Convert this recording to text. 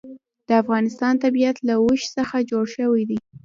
د افغانستان طبیعت له اوښ څخه جوړ شوی دی.